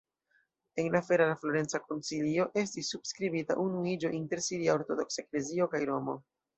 En la ferrara-florenca koncilio estis subskribita unuiĝo inter siria ortodoksa eklezio kaj Romo.